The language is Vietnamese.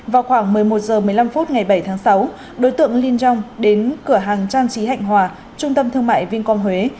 vào khoảng một mươi một h một mươi năm phút ngày bảy tháng sáu đối tượng liên trong đến cửa hàng trang trí hạnh hòa trung tâm thương mại vincom huế